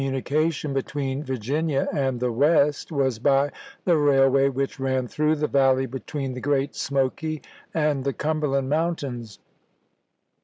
munication between Virginia and the West was by the railway which ran through the valley between the Great Smoky and the Cumberland Mountains.